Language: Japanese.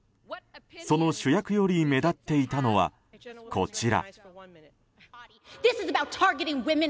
その主役より目立っていたのはこちら。